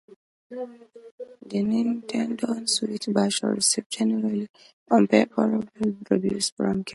The Nintendo Switch version received "generally unfavourable" reviews from critics.